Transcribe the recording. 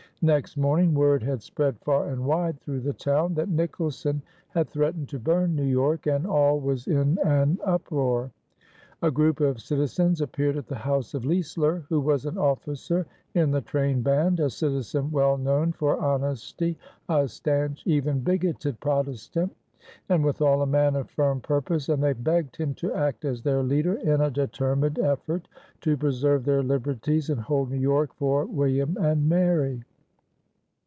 Next morning word had spread far and wide through the town that Nicholson had threatened to burn New York, and all was in an uproar. A crowd of citizens appeared at the house of Leisler, who was an officer in the train band, a citizen well known for honesty, a stanch, even bigoted Protestant, and withal a man of firm purpose, and they begged him to act as their leader in a determined effort to preserve their liberties and hold New York for William and Mary.